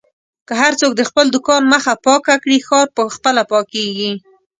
که هر څوک د خپل دوکان مخه پاکه کړي، ښار په خپله پاکېږي.